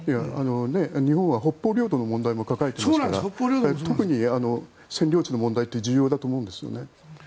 日本は北方領土の問題も抱えていますから特に占領地の問題って重要だと思うんですね。